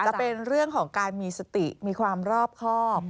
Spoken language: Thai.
จะเป็นเรื่องของการมีสติมีความรอบครอบ